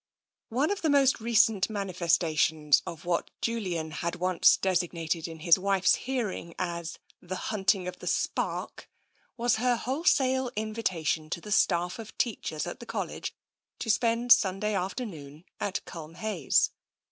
One of the most recent manifestations of what Julian had once designated in his wife's hearing as the " Hunting of the Spark," was her wholesale invi tation to the staff of teachers at the College to spend Sunday afternoon at Culmhayes.